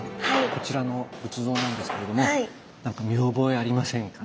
こちらの仏像なんですけれどもなんか見覚えありませんかね？